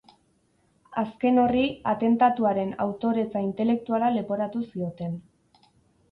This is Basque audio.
Azken horri, atentatuaren autoretza intelektuala leporatu zioten.